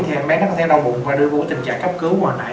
thì em bé nó có thể đau bụng và đưa vào tình trạng cấp cứu